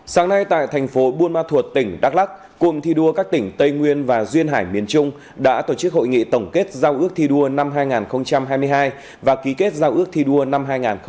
sáng nay tại thành phố buôn ma thuột tỉnh đắk lắc cụm thi đua các tỉnh tây nguyên và duyên hải miền trung đã tổ chức hội nghị tổng kết giao ước thi đua năm hai nghìn hai mươi hai và ký kết giao ước thi đua năm hai nghìn hai mươi ba